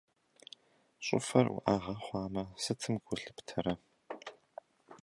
ЩӀыфэр уӀэгъэ хъуамэ, сытым гу лъыптэрэ?